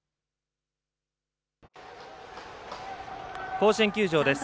甲子園球場です。